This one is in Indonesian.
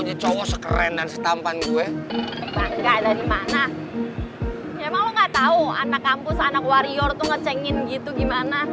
emang lo gak tau anak kampus anak warior tuh ngecengin gitu gimana